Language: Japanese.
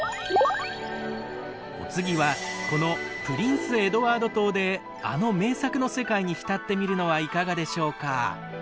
お次はこのプリンスエドワード島であの名作の世界に浸ってみるのはいかがでしょうか？